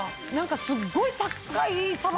すっごい高いサバ